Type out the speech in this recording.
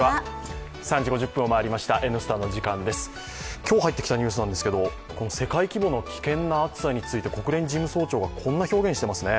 今日入ってきたニュースなんですけど、世界規模の危険な暑さについて国連事務総長がこんな表現をしていますね。